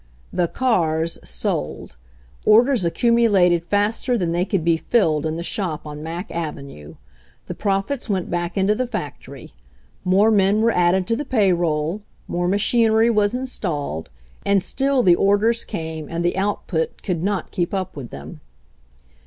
The cars sold. Orders accumulated faster than they could be filled in the shop on Mack ave nue. The profits went back into the factory. More men were added to the pay roll, more ma chinery was installed, and still the orders came and the output could not keep up with them.